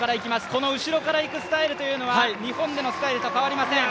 この後ろから行くスタイルというのは２本目のスタイルと変わりません。